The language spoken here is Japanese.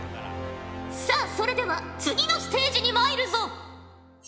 さあそれでは次のステージに参るぞ！